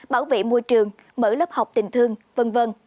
bảo vệ môi trường mở lớp học tình thương v v